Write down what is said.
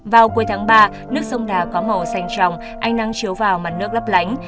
vào cuối tháng ba nước sông đà có màu xanh sòng ánh nắng chiếu vào mặt nước lấp lánh